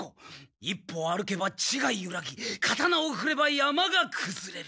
一歩歩けば地がゆらぎ刀をふれば山がくずれる。